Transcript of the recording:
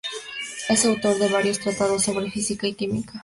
Es autor de varios tratados sobre Física y Química.